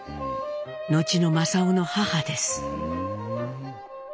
後の正雄の母です。